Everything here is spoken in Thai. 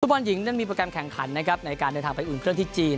บอลหญิงนั้นมีโปรแกรมแข่งขันนะครับในการเดินทางไปอุ่นเครื่องที่จีน